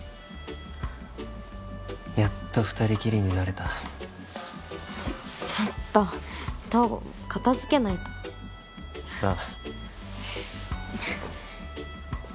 やっと二人きりになれたちょっちょっと東郷片づけないとああ